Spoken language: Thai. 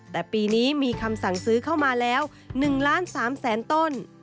แต่ปีนี้มีคำสั่งซื้อเข้ามาแล้ว๑ล้าน๓แสนต้น